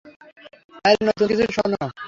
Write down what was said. তাইলে নতুন কিছু শোনো।